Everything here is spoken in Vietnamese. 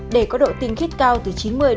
để có độ tinh khít cao từ chín mươi chín mươi năm